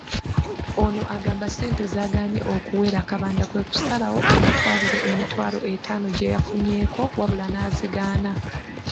Ono agamba ssente zagaanye okuwera , Kabanda kwekusalawo amutwalire emitwalo etaano gye yafunyeeko wabula n'azigaana.